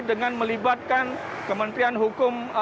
dengan melibatkan kementerian hukum dan kesehatan